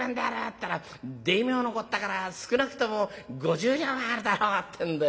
ったら『大名のこったから少なくとも５０両はあるだろう』ってんで。